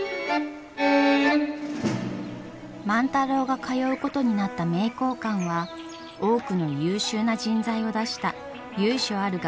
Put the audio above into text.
万太郎が通うことになった名教館は多くの優秀な人材を出した由緒ある学問所です。